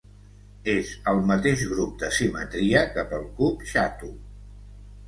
És el mateix grup de simetria que pel cub xato.